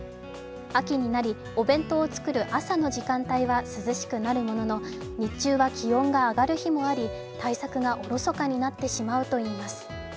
秋になりお弁当を作る朝の時間帯は涼しくなるものの日中は気温が上がる日もあり対策がおろそかになってしまうといいます。